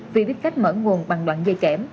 vì biết cách mở nguồn bằng đoạn dây kẽm